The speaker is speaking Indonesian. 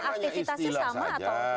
itu kan hanya istilah saja